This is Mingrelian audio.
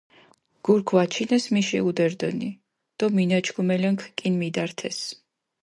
გურქ ვაჩინეს მიში ჸუდე რდჷნი, დო მჷნაჩქუმელენქ კჷნი მიდართეს.